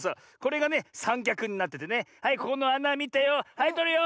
はいとるよ。